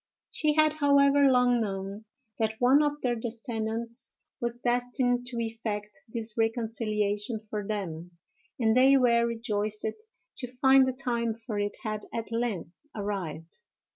She had, however, long known that one of their descendants was destined to effect this reconciliation for them, and they were rejoiced to find the time for it had at length arrived.